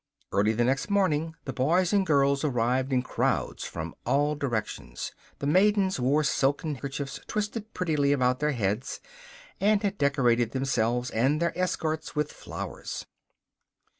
Early the next morning the boys and girls arrived in crowds from all directions. The maidens wore silken kerchiefs twisted prettily about their heads, and had decorated themselves and their escorts with flowers.